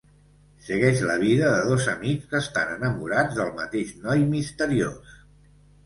Segueix la vida de dos amics que estan enamorats del mateix noi misteriós.